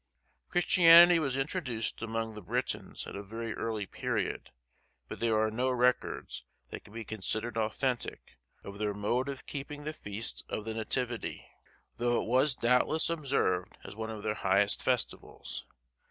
Christianity was introduced among the Britons at a very early period, but there are no records, that can be considered authentic, of their mode of keeping the feast of the Nativity, though it was doubtless observed as one of their highest festivals.